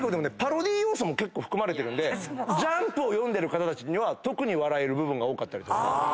結構含まれてるんで『ジャンプ』を読んでる方たちには特に笑える部分が多かったりとか。